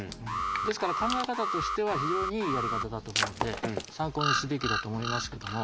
ですから考え方としては非常にいいやり方だと思うんで参考にすべきだと思いますけども。